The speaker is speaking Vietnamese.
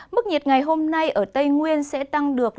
mức nhiệt ngày hôm nay ở tây nguyên sẽ tăng được